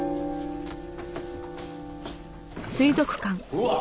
うわっ！